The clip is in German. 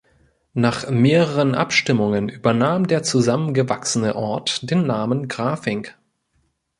Nach mehreren Abstimmungen übernahm der zusammengewachsene Ort den Namen Grafing.